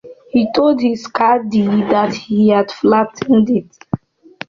He told his caddie he had flattened it.